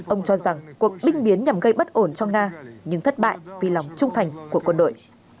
ông cho rằng cuộc binh biến nhằm gây bất ổn cho nga nhưng thất bại vì lòng trung thành của quân đội